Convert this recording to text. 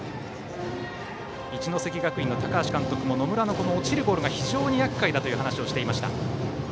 一関学院の高橋監督も野村の落ちるボールが非常にやっかいだと話していました。